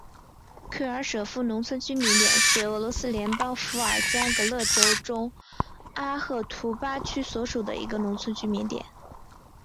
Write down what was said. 奎贝舍夫农村居民点是俄罗斯联邦伏尔加格勒州中阿赫图巴区所属的一个农村居民点。